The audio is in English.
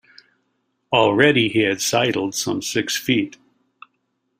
Already he had sidled some six feet.